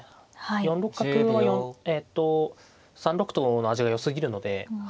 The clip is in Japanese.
４六角はえっと３六との味がよすぎるのではい。